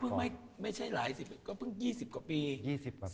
อ๋อเพิ่งไม่ใช่หลายสิบก็เพิ่งยี่สิบกว่าปียี่สิบกว่าปี